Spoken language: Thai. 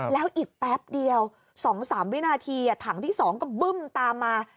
แล้วอีกแป๊บเดียว๒๓วินาทีถังที่๒ก็บึ้มตามมา